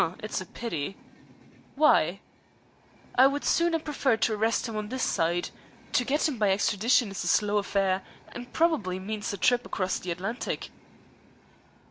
"Hum. It's a pity." "Why?" "I would sooner prefer to arrest him on this side. To get him by extradition is a slow affair, and probably means a trip across the Atlantic."